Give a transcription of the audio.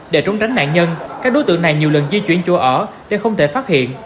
để trốn tránh nạn nhân các đối tượng này nhiều lần di chuyển chỗ ở để không thể phát hiện